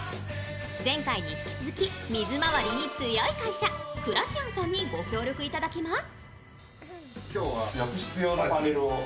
前回に引き続き水まわりに強い会社、クラシアンさんに御協力いただきます。